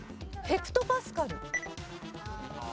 ヘクトパスカル。